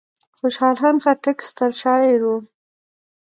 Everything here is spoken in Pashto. خوشحال خان خټک ستر شاعر و.